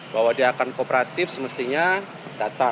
bahwa dia akan kooperatif semestinya datang